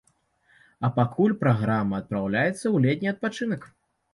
А пакуль праграма адпраўляецца ў летні адпачынак.